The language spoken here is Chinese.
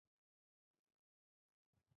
埃尔利海滩是大堡礁观光的门户之一。